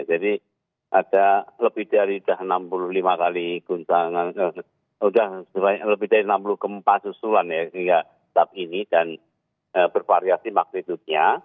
jadi ada lebih dari enam puluh lima kali gempa susulan ya di tub ini dan bervariasi maksitudenya